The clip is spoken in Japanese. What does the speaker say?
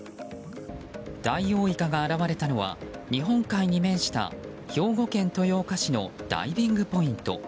ダイオウイカが現れたのは日本海に面した兵庫県豊岡市のダイビングポイント。